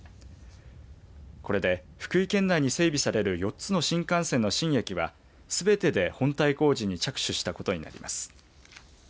これで福井県内に整備される４つの新幹線の新駅はすべてで本体工事に着手したことになります。